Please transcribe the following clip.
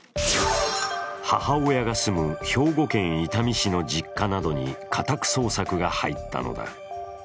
母親が住む兵庫県伊丹市の実家などに家宅捜索が入ったのだ。